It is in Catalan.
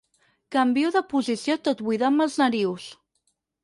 Canvio de posició tot buidant-me els narius.